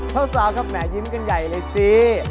เจ้าสาวครับแมงยิ้มกันใหญ่เลยซี่